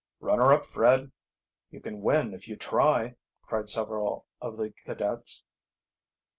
"Run her up, Fred! You can win if you try!" cried several of the cadets.